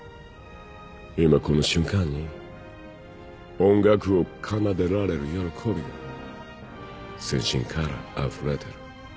今この瞬間に音楽を奏でられる喜びが全身からあふれてる。